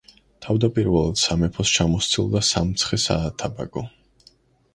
თავდაპირველად სამეფოს ჩამოსცილდა სამცხე-საათაბაგო.